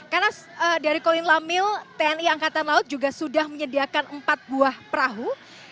karena dari koin lamil tni angkatan laut juga sudah menyediakan empat buah perahu